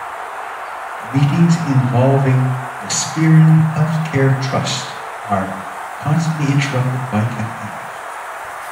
Meetings involving the Sperrin Healthcare Trust are constantly interrupted by campaigners.